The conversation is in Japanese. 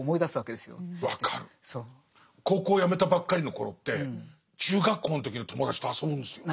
高校をやめたばっかりの頃って中学校の時の友達と遊ぶんですよ。